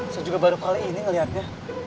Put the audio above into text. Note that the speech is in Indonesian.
saya juga baru kali ini ngelihatnya